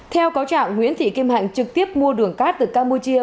theo cáo trạng nguyễn thị kim hạnh trực tiếp mua đường cát từ campuchia